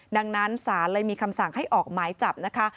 ดังนั้นศาลเลยมีคำสั่งให้ออกหมายจับนะคะ